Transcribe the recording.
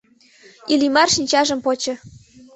Иллимар шинчажым почо.